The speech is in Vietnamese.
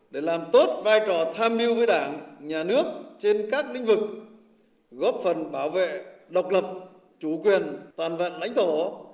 để làm tốt vai trò tham mưu với đảng nhà nước trên các lĩnh vực góp phần bảo vệ độc lập chủ quyền toàn vẹn lãnh thổ